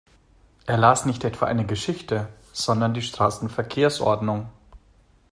Er las nicht etwa eine Geschichte, sondern die Straßenverkehrsordnung.